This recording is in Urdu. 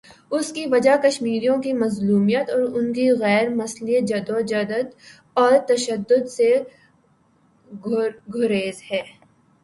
اس کی وجہ کشمیریوں کی مظلومیت، ان کی غیر مسلح جد وجہد اور تشدد سے گریز ہے۔